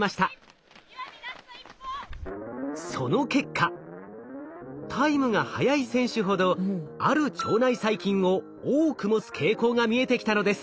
その結果タイムが速い選手ほどある腸内細菌を多く持つ傾向が見えてきたのです。